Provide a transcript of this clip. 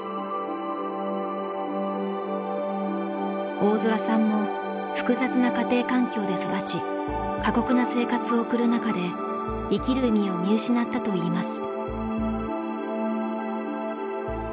大空さんも複雑な家庭環境で育ち過酷な生活を送る中で生きる意味を見失ったといいます。